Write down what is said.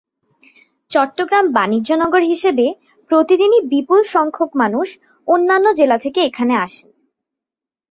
চট্টগ্রাম বাণিজ্যনগর হিসেবে প্রতিদিনই বিপুলসংখ্যক মানুষ অন্যান্য জেলা থেকে এখানে আসেন।